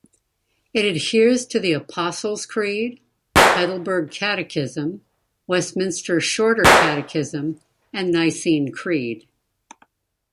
It adheres to the Apostles Creed, Heidelberg Catechism, Westminster Shorter Catechism and Nicene Creed.